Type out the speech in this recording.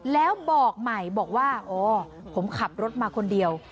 แล้วบอกใหม่บอกว่าอ๋อผมขับรถมาคนเดียว